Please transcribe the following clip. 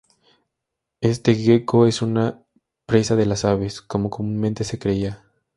Este gecko no es una presa de las aves, como comúnmente se creía.